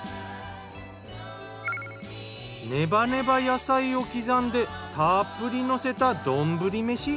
ネバネバ野菜を刻んでたっぷりのせた丼飯。